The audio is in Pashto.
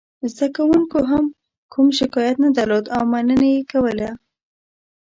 زده کوونکو هم کوم شکایت نه درلود او مننه یې کوله.